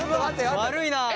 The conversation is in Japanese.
悪いなあ。